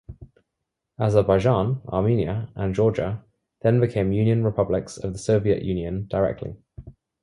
Azerbaijan, Armenia, and Georgia then became union Republics of the Soviet Union directly.